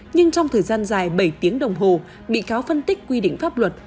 nhưng trong thời gian dài bảy tiếng đồng hồ bị cáo phân tích quy định pháp luật